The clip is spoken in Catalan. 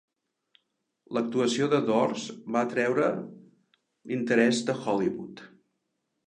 L"actuació de Dors va atraure l"interès de Hollywood.